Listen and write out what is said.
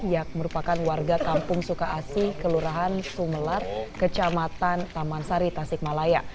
yang merupakan warga kampung suka asi kelurahan sumelar kecamatan taman sari tasikmalaya